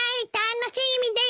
楽しみです！